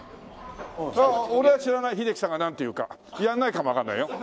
俺は知らない英樹さんがなんて言うか。やらないかもわからないよ。